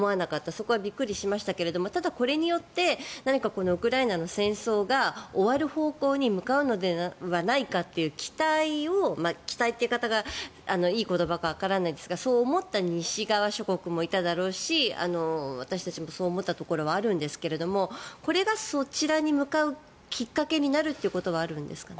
そこはびっくりしましたけどただこれによって何かウクライナの戦争が終わる方向に向かうのではないかという期待を期待という言い方がいい言葉かどうかわからないですがそう思った西側諸国もいただろうし私たちもそう思ったところはあるんですがこれがそちらに向かうきっかけになるということはあるんですかね。